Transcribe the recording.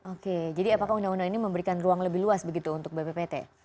oke jadi apakah undang undang ini memberikan ruang lebih luas begitu untuk bppt